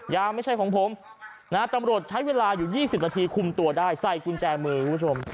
ไม่ใช่ของผมนะฮะตำรวจใช้เวลาอยู่๒๐นาทีคุมตัวได้ใส่กุญแจมือคุณผู้ชม